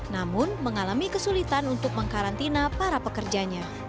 namun mengalami kesulitan untuk mengkarantina para pekerjanya